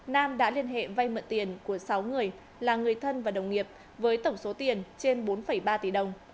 nam đã liên hệ vay mượn tiền của sáu người là người thân và đồng nghiệp với tổng số tiền trên bốn ba tỷ đồng